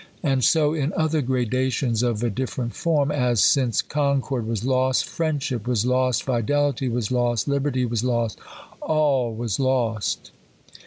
And so in other gradations of a different form ; as, '' Since concord was lost, friendship was lost, fidelity was lost, liberty/ was lost, all was lost."